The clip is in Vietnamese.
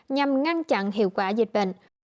nhằm ngăn chặn hiệu quả dịch bệnh